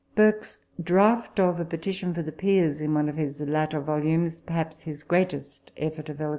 Burke's draft of a petition for the Peers, in one of his latter volumes, perhaps his greatest effort of eloquence.